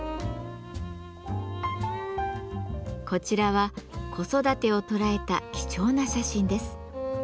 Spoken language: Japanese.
こちらは子育てを捉えた貴重な写真です。